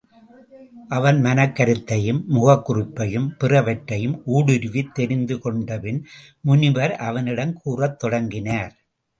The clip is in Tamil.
அவன் மனக் கருத்தையும் முகக் குறிப்பையும் பிறவற்றையும் ஊடுருவித் தெரிந்து கொண்ட பின் முனிவர் அவனிடம் கூறத் தொடங்கினார்.